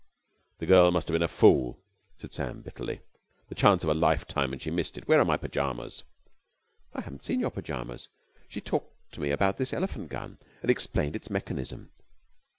"The girl must have been a fool!" said Sam bitterly. "The chance of a life time and she missed it. Where are my pyjamas?" "I haven't seen your pyjamas. She talked to me about this elephant gun, and explained its mechanism.